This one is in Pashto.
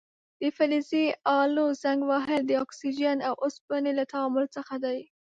د فلزي الو زنګ وهل د اکسیجن او اوسپنې له تعامل څخه دی.